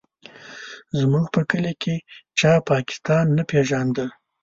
زموږ په کلي کې چا پاکستان نه پېژانده.